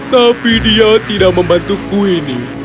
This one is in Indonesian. tapi dia tidak membantuku ini